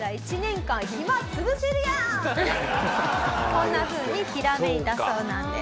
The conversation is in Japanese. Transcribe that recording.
こんなふうにひらめいたそうなんです。